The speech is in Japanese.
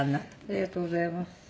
ありがとうございます。